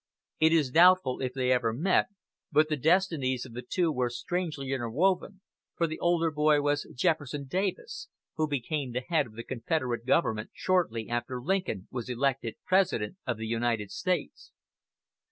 It is doubtful if they ever met, but the destinies of the two were strangely interwoven, for the older boy was Jefferson Davis, who became head of the Confederate government shortly after Lincoln was elected President of the United States.